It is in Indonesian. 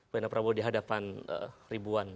pada prabowo di hadapan ribuan